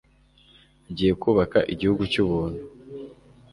agiye Kubaka igihugu cyubuntu